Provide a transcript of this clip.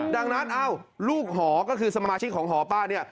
ดังนั้นลูกหอก็คือสมาชิกของหอป้าเนี่ย